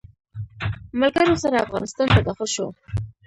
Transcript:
ملګرو سره افغانستان ته داخل شو.